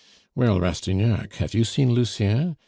"Well, Rastignac, have you seen Lucien?